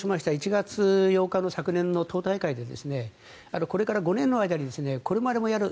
１月８日の昨年の党大会でこれから５年の間にこれからもやる。